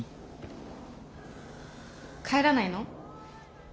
帰らないの？